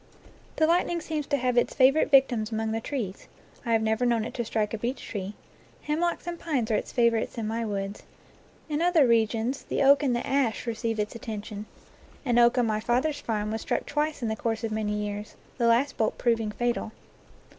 The lightning seems to have its favorite victims among the trees. I have never known it to strike a beech tree. Hemlocks and pines are its favorites in my woods. In other regions the oak and the ash re 17 NATURE LOEE ceive its attention. An oak on my father's farm wag struck twice in the course of many years, the last bolt proving fatal.